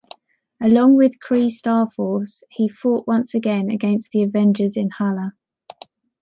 Along with Kree Starforce, he fought once again against the Avengers in Hala.